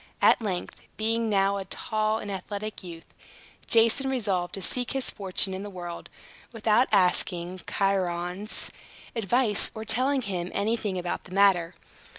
At length, being now a tall and athletic youth, Jason resolved to seek his fortune in the world, without asking Chiron's advice, or telling him anything about the matter.